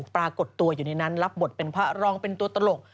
ปรากฏตัวอยู่ในนั้นรับบทเป็นพระรองเป็นตัวตลก